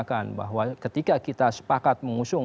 mengatakan bahwa ketika kita sepakat mengusung